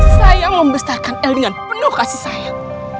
saya mau membesarkan el dengan penuh kasih sayang